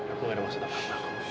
aku gak ada maksud apa apa